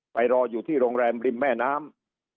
รออยู่ที่โรงแรมริมแม่น้ำ